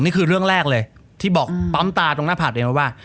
นี่คือเรื่องแรกเลยที่บอกปั๊มตาตรงหน้าผากเองไว้ว่า